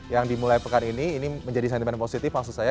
yang dimulai pekan ini ini menjadi sentimen positif maksud saya